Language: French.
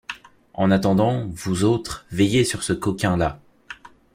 En attendant, vous autres, veillez sur ce coquin-là.